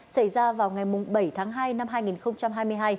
xảy ra vào ngày bảy tháng hai năm hai nghìn hai mươi hai